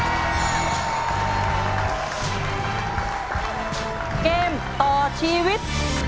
เกมต่อชีวิต